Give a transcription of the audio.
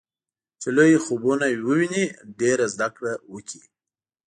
چې لوی خوبونه وويني ډېره زده کړه وکړي.